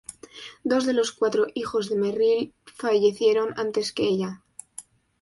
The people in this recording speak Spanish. Dos de los cuatro hijos de Merrill fallecieron antes que ella.